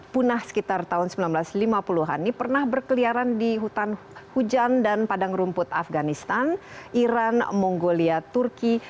punah sekitar tahun seribu sembilan ratus lima puluh an ini pernah berkeliaran di hujan dan padang rumput afganistan iran mongolia turki